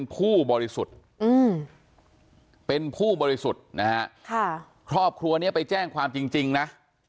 เป็นผู้บริสุทธิ์ครอบครัวนี้ไปแจ้งความจริงนะ